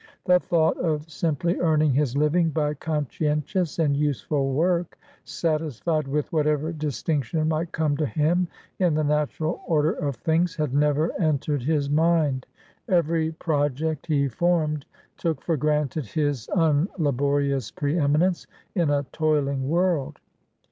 The thought of simply earning his living by conscientious and useful work, satisfied with whatever distinction might come to him in the natural order of things, had never entered his mind. Every project he formed took for granted his unlaborious pre eminence in a toiling world.